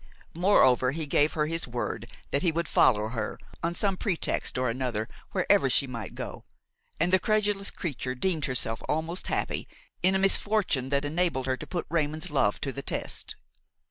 Moreover he gave her his word that he would follow her, on some pretext or other, wherever she might go, and the credulous creature deemed herself almost happy in a misfortune which enabled her to put Raymon's love to the test.